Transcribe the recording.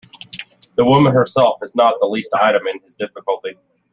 The woman herself is not the least item in his difficulty.